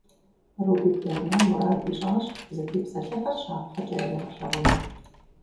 Рубик Эрно мурад ищIащ зытепсэлъыхьыр щапхъэкIэ яригъэлъэгъуну.